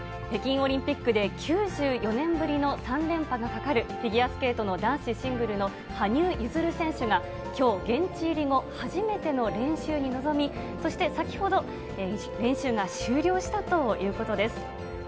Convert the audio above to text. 北京オリンピックで９４年ぶりの３連覇がかかるフィギュアスケートの男子シングルの羽生結弦選手がきょう、現地入り後、初めての練習に臨み、そして、先ほど、練習が終了したということです。